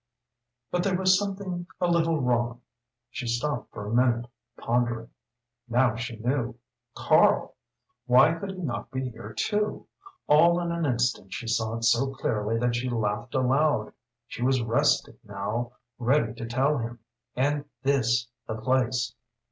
But there was something a little wrong. She stopped for a minute, pondering. Now she knew! Karl! why could he not be here too? All in an instant she saw it so clearly that she laughed aloud. She was rested now ready to tell him and this the place!